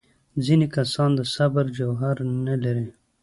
ځینې کسان د صبر جوهر نه لري.